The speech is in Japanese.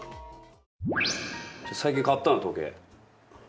最近、買ったの、時計。